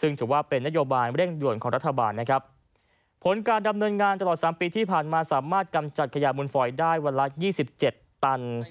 ซึ่งถือว่าเป็นนโยบายเร่งด่วนของรัฐบาลนะครับผลการดำเนินงานตลอดสามปีที่ผ่านมาสามารถกำจัดขยะมูลฟอยได้วันละยี่สิบเจ็ดตัน